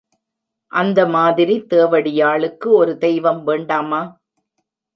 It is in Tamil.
அந்த மாதிரி, தேவடியாளுக்கு ஒரு தெய்வம் வேண்டாமா!